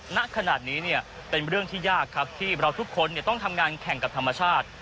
ณขนาดนี้เป็นเรื่องที่ยากครับที่เราทุกคนต้องทำงานแข่งกับธรรมชาติ